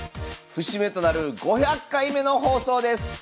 節目となる５００回目の放送です。